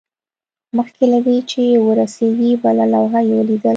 مخکې له دې چې ورسیږي بله لوحه یې ولیدل